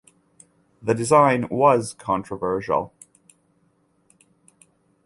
This design was controversial.